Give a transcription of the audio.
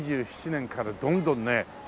２０２７年からどんどんね